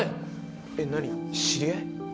えなに知り合い！？